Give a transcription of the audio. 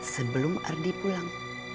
sebelum ardi pulang